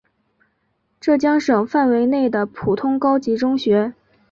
浙江省范围内的普通高级中学。